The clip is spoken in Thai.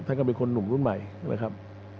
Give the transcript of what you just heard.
ท่านก็เป็นคนหนุ่มรุ่นใหม่นะครับ